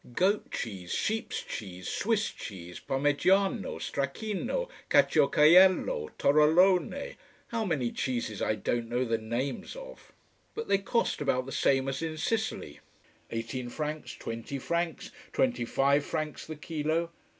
Goat cheese, sheeps cheese, Swiss cheese, Parmegiano, stracchino, caciocavallo, torolone, how many cheeses I don't know the names of! But they cost about the same as in Sicily, eighteen francs, twenty francs, twenty five francs the kilo.